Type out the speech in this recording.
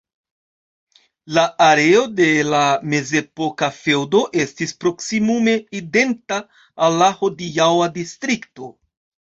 La areo de la mezepoka feŭdo estis proksimume identa al la hodiaŭa distrikto.